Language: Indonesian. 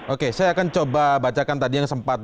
oke saya akan coba bacakan tadi yang sempat